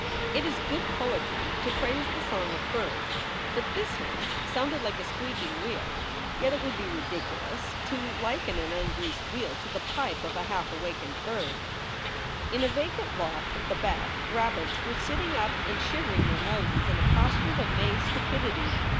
It is good poetry to praise the song of birds. But this one sounded like a squeak ing wheel. Yet it would be ridiculous to liken an ungreased wheel to the pipe of a half awakened bird. In a vacant lot at the back, rabbits were sitting up and shivering their noses in a posture of amazed stupidity.